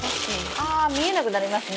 ああ見えなくなりますね。